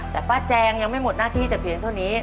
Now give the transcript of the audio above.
แต่ป้าแจงยังไม่หมดหน้าที่แต่เพียงเท่านี้